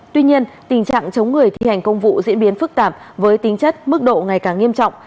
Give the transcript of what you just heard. tuy nhiên tình trạng chống người thi hành công vụ diễn biến phức tạp với tính chất mức độ ngày càng nghiêm trọng